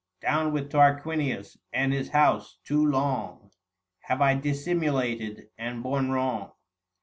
Down with Tarquinius and his house ; too long Have I dissimulated, and borne wrong